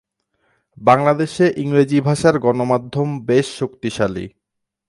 বাংলাদেশে ইংরেজি ভাষার গণমাধ্যম বেশ শক্তিশালী।